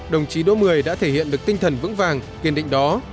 đồng chí đỗ mười đã thể hiện được tinh thần vững vàng kiên định đó